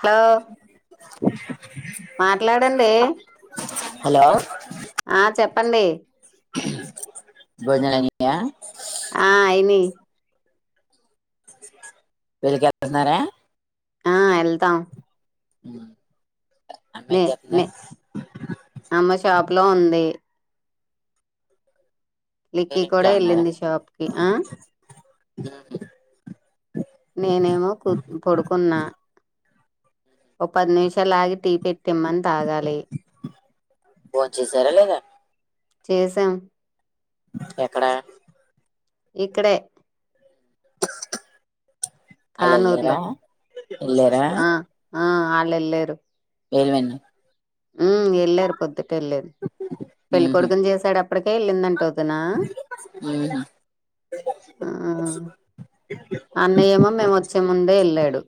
hello మాట్లాడండి hello ఆ చెప్పండి భోజనాలు అయినాయా ఆ అయిని వీళ్ళకి వెళ్తున్నారా ఆ ఎల్తామ్ ఉ నే నే అమ్మ షాప్ లో ఉంది లిక్కీ మీరు ఇంట్లో కూడా వెళ్ళింది షాప్ కి ఆ మ్మహు నేనేమో కుర్ పడుకున్నా ఓ పది నిమిషాలలాగి టీ పెట్టిమ్మని తాగాలి భోన్ చేశారా లేదా చేశాం ఎక్కడ ఇక్కడే అళ్ళు ఎళ్ళర కానూరులో ఎళ్లర అళ్ళు వెళ్లారు ఏవెన్ ఉ ఎళ్ళారు పొద్దు వెళ్లేదు పెళ్ళికొడుకుని చేసాడు అప్పటికే వెళ్ళిందంట వదినా ఆ అన్నయ్యేమో మేము వచ్చే ముందే వెళ్ళాడు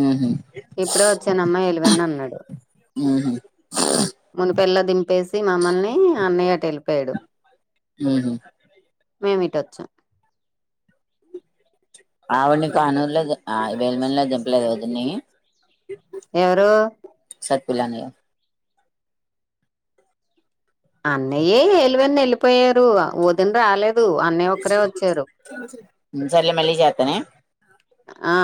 ఉహు మ్ ఇప్పుడే వచ్చానమ్మా ఎలివెన్ అన్నాడు ఉహు మన పేలా దని చెప్పేసి మమ్మల్ని అన్నయ్య అటు వెళ్ళిపోయాడు మేము ఇటొచ్చాం ఆవిడ్ని కానూరు లో దిం ఆ ఇవేమందిలో [unintelligible] దింపి లేదా వదిన్ని ఎవరు సత్పుులానే అన్నయ్యే ఏలువని వెళ్ళిపోయారు వదిన రాలేదు అన్నయ్య ఒక్కరే వచ్చారు సర్లే మళ్ళీ చేత్తనే ఆ